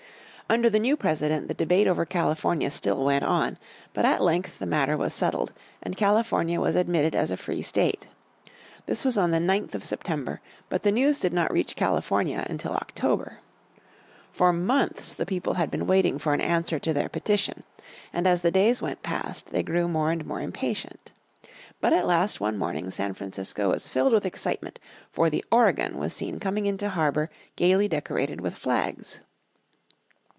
Under the new President the debate over California still went on. But at length the matter was settled, and California was admitted as a free state. This was on the 9th of September, 1850, but the news did not reach California until October. For months the people had been waiting for an answer to their petition. And as the days went past they grew more and more impatient. But at last one morning San Francisco was filled with excitement for the Oregon was seen coming into harbour gaily decorated with flags.